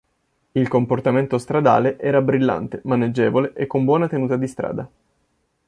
Il comportamento stradale era brillante, maneggevole e con buona tenuta di strada.